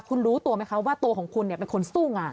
คุณรู้ตัวไหมคะว่าตัวของคุณเป็นคนสู้งาน